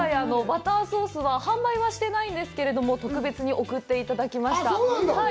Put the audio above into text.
バターソースは販売はしてないんですけど、特別に送っていただきました。